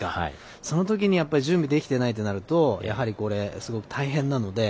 そのときに準備できてないとなるとやはり、すごく大変なので。